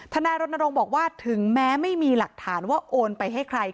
นายรณรงค์บอกว่าถึงแม้ไม่มีหลักฐานว่าโอนไปให้ใคร